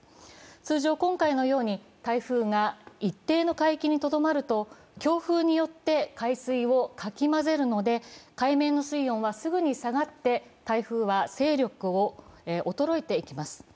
通常、今回のように台風が一定の海域にとどまると強風によって海水をかき混ぜるので、海面の水温はすぐに下がって台風の勢力は衰えていきます。